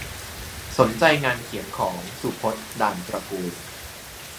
สนใจงานเขียนของ สุพจน์ ด่านตระกูล